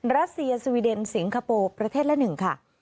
รัสเซียสวีเดนสิงคโปร์ประเทศละ๑ค่ะ